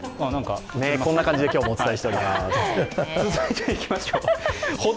こんな感じで今日もお伝えしていまーす。